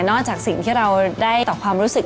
จากสิ่งที่เราได้ต่อความรู้สึก